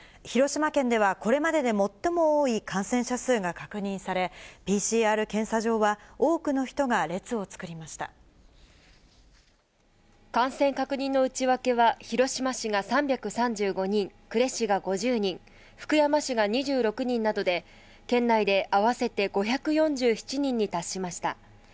広島県ではこれまでで最も多い感染者数が確認され、ＰＣＲ検査場感染確認の内訳は、広島市が３３５人、呉市が５０人、福山市が２６人などで、県内で合わせて５４７人に達しました。